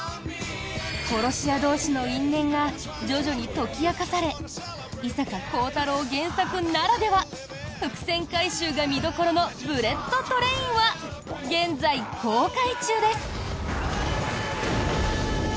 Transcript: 殺し屋同士の因縁が徐々に解き明かされ伊坂幸太郎原作ならでは伏線回収が見どころの「ブレット・トレイン」は現在公開中です。